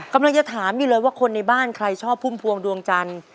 กำลังจะถามอยู่เลยว่าคนในบ้านใครชอบพุ่มพวงดวงจันทร์